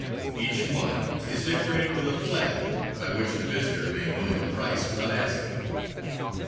Each one is decorated with a flag, by which the visitor may know the price without asking.